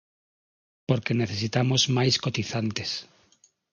Porque necesitamos máis cotizantes.